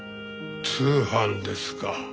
通販ですか。